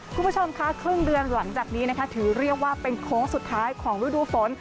คุณผู้ชมค่ะครึ่งเดือนหลังจากนี้นะคะถือเรียกว่าเป็นโค้งสุดท้ายของฤดูฝน